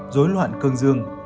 dối loạn cưng dương